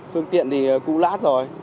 phương tiện thì cũ lát rồi